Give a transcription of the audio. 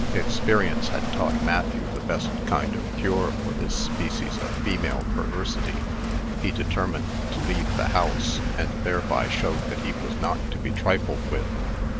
Experience had taught Matthew the best kind of cure for this species of female perversity. He determined to leave the house, and thereby show that he was not to be trifled with.